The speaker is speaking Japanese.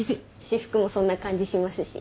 私服もそんな感じしますし。